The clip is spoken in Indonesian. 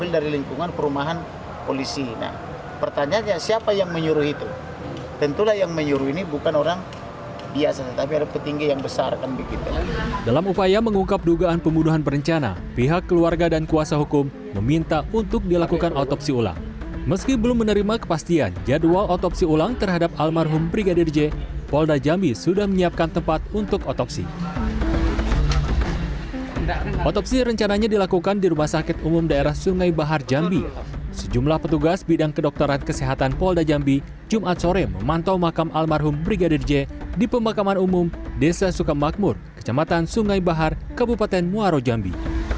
di pemakaman umum desa sukamakmur kecamatan sungai bahar kabupaten muarajambi